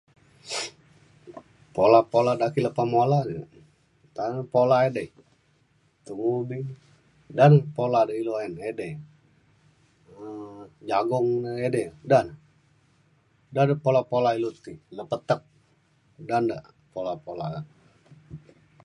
pula pula de ake lepah mula ta na pula edei tung ubi dan pula ilu ayen edei um jagung edei da na. da na pula pula ilu ti le petek da da pula pula.